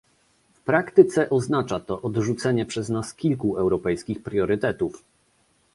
W praktyce oznacza to odrzucenie przez nas kilku europejskich priorytetów